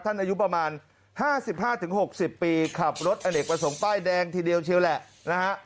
อายุประมาณ๕๕๖๐ปีขับรถอเนกประสงค์ป้ายแดงทีเดียวเชียวแหละนะฮะ